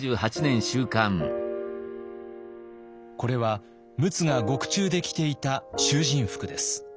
これは陸奥が獄中で着ていた囚人服です。